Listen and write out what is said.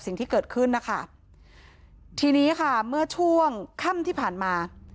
สิ่งที่เกิดขึ้นนะคะทีนี้ค่ะเมื่อช่วงค่ำที่ผ่านมา